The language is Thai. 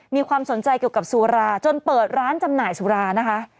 มีความสนใจเกี่ยวกับสุราจนเปิดร้านจำหน่ายสุรานะคะ